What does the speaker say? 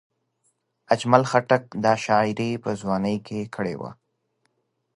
اجمل خټک دا شاعري په ځوانۍ کې کړې وه.